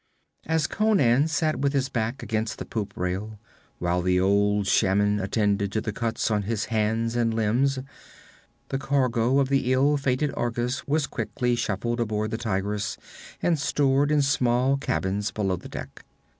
As Conan sat with his back against the poop rail, while the old shaman attended to the cuts on his hands and limbs, the cargo of the ill fated Argus was quickly shifted aboard the Tigress and stored in small cabins below deck.